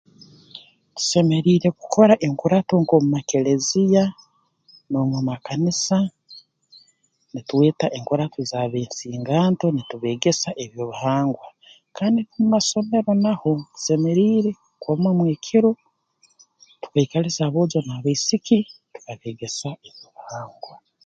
Tusemeriire kukora enkurato nk'omu makeleziya n'omu makanisa nitweta enkurato z'abensinganto nitubeegesa eby'obuhangwa kandi mu masomero naho tesemeriire kumamu ekiro tubaikalize aboojo n'abaisiki tukabeegesa haby'obuhangwa